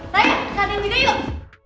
ryan kantin juga yuk